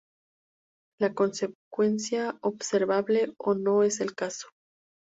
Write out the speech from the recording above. La consecuencia observable O no es el caso.